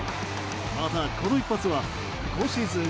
また、この一発は今シーズン